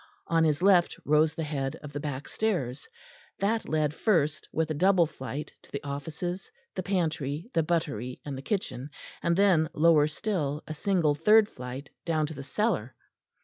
On his left rose the head of the back stairs, that led first with a double flight to the offices, the pantry, the buttery and the kitchen, and than, lower still, a single third flight down to the cellar.